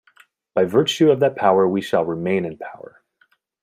By virtue of that power we shall remain in power.